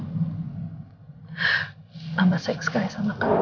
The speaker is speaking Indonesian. mama sayang sekali sama kamu ya